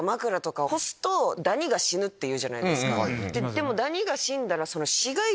でもダニが死んだら。